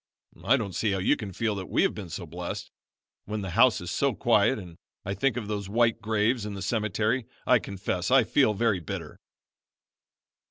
"I don't see how you can feel that we have been so blessed. When the house is so quiet and I think of those white graves in the cemetery I confess I feel very bitter."